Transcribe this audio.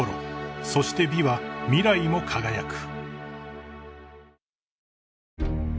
［そして美は未来も輝く］